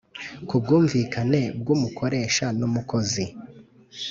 Ku bwumvikane bw’ umukoresha n’ umukozi